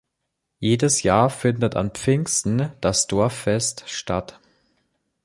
Jedes Jahr findet an Pfingsten das Dorffest statt.